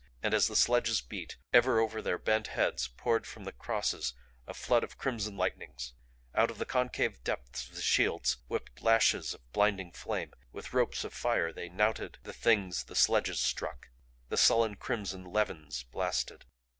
And as the sledges beat, ever over their bent heads poured from the crosses a flood of crimson lightnings. Out of the concave depths of the shields whipped lashes of blinding flame. With ropes of fire they knouted the Things the sledges struck, the sullen crimson levins blasted.